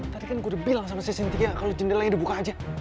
tadi kan aku sudah bilang sama si cynthia kalau jendela ini dibuka saja